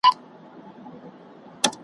د ښکاري د تور په منځ کي کښېنستلې .